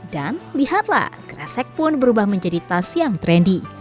dan lihatlah kresek pun berubah menjadi tas yang trendy